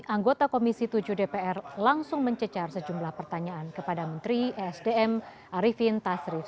anggota komisi tujuh dpr langsung mencecar sejumlah pertanyaan kepada menteri esdm arifin tasrif